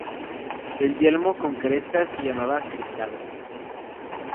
El yelmo con cresta se llamaba "crestado".